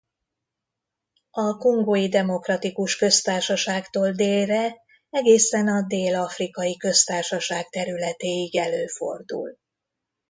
A Kongói Demokratikus Köztársaságtól délre egészen a Dél-afrikai Köztársaság területéig előfordul.